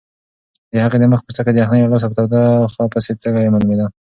د هغې د مخ پوستکی د یخنۍ له لاسه په تودوخه پسې تږی معلومېده.